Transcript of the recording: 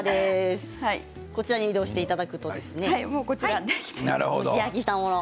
こちらに移動していただくと蒸し焼きしたもの。